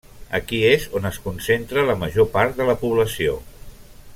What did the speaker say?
Aquí és on es concentra la major part de la població.